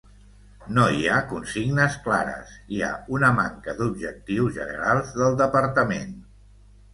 No hi ha consignes clares, hi ha una manca d’objectius generals del departament.